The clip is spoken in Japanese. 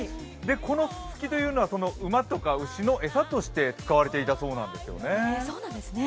このすすきというのはその馬とか牛の餌として使われていたそうなんですよね。